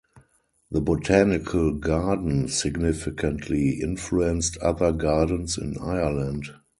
The botanical garden significantly influenced other gardens in Ireland.